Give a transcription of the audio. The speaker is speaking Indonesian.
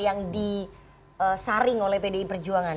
yang disaring oleh pdi perjuangan